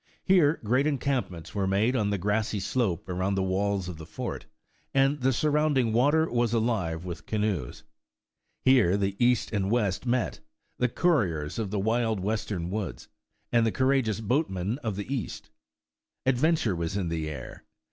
Here great encamp ments were made on the grassy slope around the walls of the fort, and the surrounding water was alive with canoes. Here the east and west met — the couriers of the wild western woods, and the courageous boatmen of the east. Adventure was in the air.